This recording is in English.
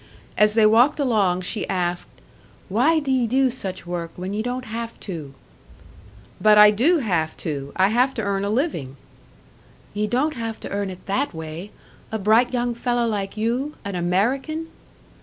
As they walked along she asked, "Why do ye do such work, when ye don't have to?" "But I do have to! I have to earn a living!" "Ye don't have to earn it that way! A bright young fellow like you an American!"